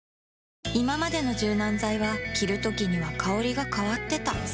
いままでの柔軟剤は着るときには香りが変わってた